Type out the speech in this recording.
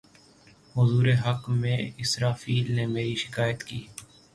حضور حق میں اسرافیل نے میری شکایت کی